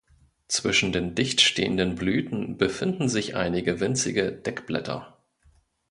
Zwischen den dicht stehenden Blüten befinden sich einige winzige Deckblätter.